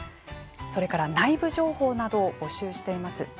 それから内部情報などを募集しています。